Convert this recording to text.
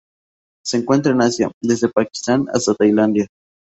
Se encuentran en Asia: desde Pakistán hasta Tailandia.